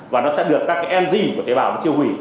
và nó sẽ được các engine của tế bào tiêu hủy